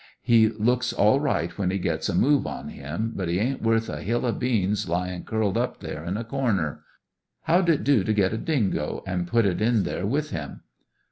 He looks all right when he gets a move on him, but he ain't worth a hill o' beans lyin' curled up there in a corner. How'd it do to get a dingo, and put it in there with him!"